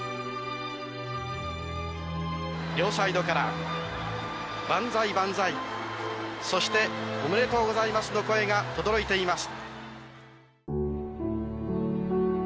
「両サイドから万歳万歳そしておめでとうございますの声がとどろいています」